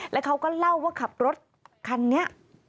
แล้วเขาก็เล่าว่าขับรถคันนี้